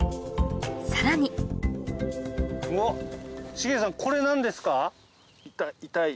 さらにおっ重さんこれ何ですか？